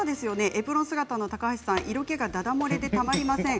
エプロン姿の高橋さん色気がだだ漏れでたまりません。